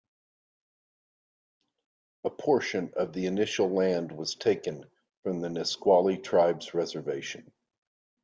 A portion of the initial land was taken from the Nisqually tribe's reservation.